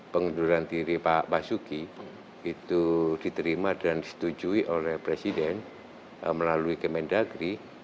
pengunduran diri pak basuki itu diterima dan disetujui oleh presiden melalui kemendagri